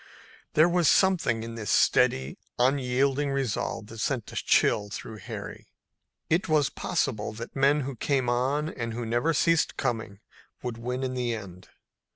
There was something in this steady, unyielding resolve that sent a chill through Harry. It was possible that men who came on and who never ceased coming would win in the end.